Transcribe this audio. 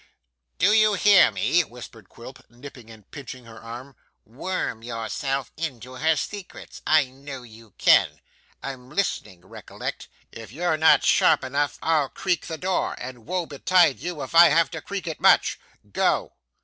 'Do you hear me,' whispered Quilp, nipping and pinching her arm; 'worm yourself into her secrets; I know you can. I'm listening, recollect. If you're not sharp enough, I'll creak the door, and woe betide you if I have to creak it much. Go!